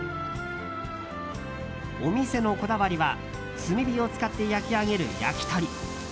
お店のこだわりは炭火を使って焼き上げる焼き鳥。